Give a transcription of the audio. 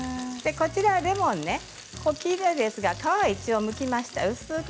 こちらはレモンきれいですが皮を薄くむきました。